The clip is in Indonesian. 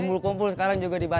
bumbul kumpul sekarang juga dibatasi